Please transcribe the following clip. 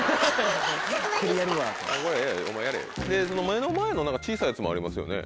目の前の何か小さいやつもありますよね。